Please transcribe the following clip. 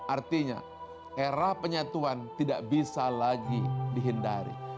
artinya era penyatuan tidak bisa lagi dihindari